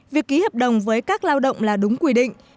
việc ký hợp đồng với các lao động là đúng quy định